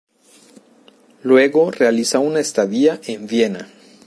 Luego realiza una estadía en Viena.